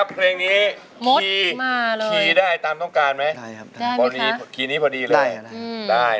เปลี่ยนใจ